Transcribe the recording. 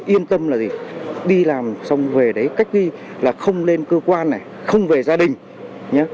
yên tâm là gì đi làm xong về đấy cách ly là không lên cơ quan này không về gia đình